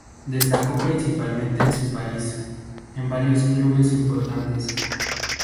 Destacó principalmente en su país, en varios clubes importantes.